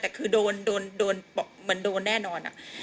แต่คือโดนเหมือนโดนแน่นอน